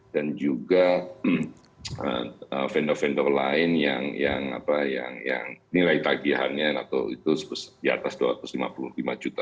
dan juga vendor vendor lain yang nilai tagihannya di atas dua ratus lima puluh lima juta